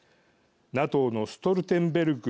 ＮＡＴＯのストルテンベルグ